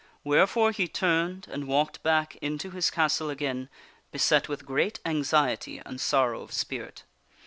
Wherefore he turned and walked back into his castle again, beset with great anxiety and sorrow of spirit.